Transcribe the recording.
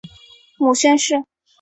母宣氏。